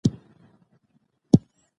موږ تر اوسه پورې د کلي ټولې ونې شمېرلي دي.